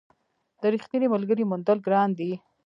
د رښتیني ملګري موندل ګران دي.